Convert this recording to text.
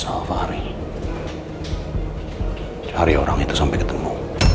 jangan sampai orang itu sampai ketemu